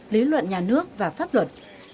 lý luận nhà nước và pháp luật